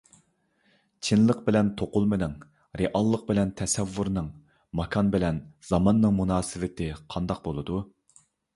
چىنلىق بىلەن توقۇلمىنىڭ، رېئاللىق بىلەن تەسەۋۋۇرنىڭ، ماكان بىلەن زاماننىڭ مۇناسىۋىتىنى قانداق بولىدۇ؟